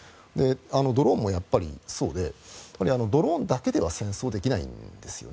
ドローンもやっぱりそうでドローンだけでは戦争できないんですよね。